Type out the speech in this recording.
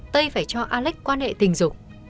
tây phải cho alex quan hệ tình dục